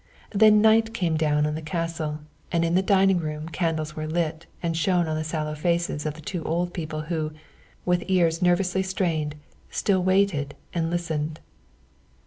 Then night came down on the castle, and in the dining room the candles were lit and shone on the sallow faces of the two old people who, with ears nervously strained, still waited and listened.